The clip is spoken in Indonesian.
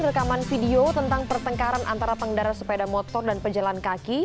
rekaman video tentang pertengkaran antara pengendara sepeda motor dan pejalan kaki